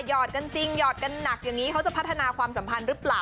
หอดกันจริงหยอดกันหนักอย่างนี้เขาจะพัฒนาความสัมพันธ์หรือเปล่า